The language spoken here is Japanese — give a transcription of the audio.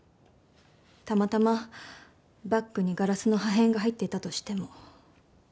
たまたまバッグにガラスの破片が入っていたとしても。